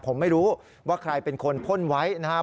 ผมไม่รู้ว่าใครเป็นคนพ่นไว้นะครับ